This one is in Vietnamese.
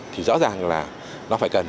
thì rõ ràng là nó phải cần